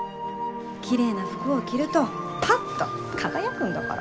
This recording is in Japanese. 綺麗な服を着るとパッと輝くんだから。